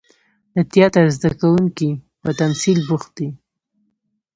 د تیاتر زده کوونکي په تمثیل بوخت دي.